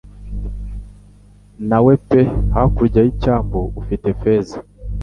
Nawe pe hakurya y'icyambu pe ufite feza